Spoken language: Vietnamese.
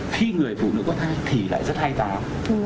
khi người phụ nữ có thai thì lại rất hay táo